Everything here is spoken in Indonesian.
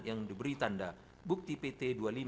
yang diberi tanda bukti pt dua puluh lima